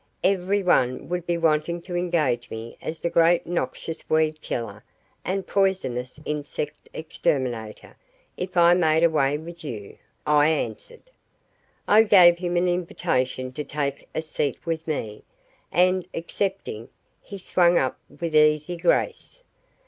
"Everyone would be wanting to engage me as the great noxious weed killer and poisonous insect exterminator if I made away with you," I answered. I gave him an invitation to take a seat with me, and accepting, he swung up with easy grace.